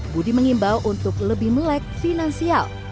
budi mengimbau untuk lebih melek finansial